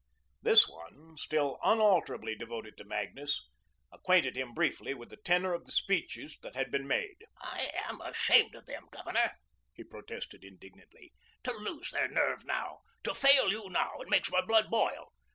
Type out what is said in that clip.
This one, still unalterably devoted to Magnus, acquainted him briefly with the tenor of the speeches that had been made. "I am ashamed of them, Governor," he protested indignantly, "to lose their nerve now! To fail you now! it makes my blood boil.